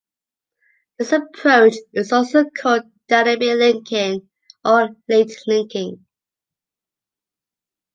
This approach is also called dynamic linking or late linking.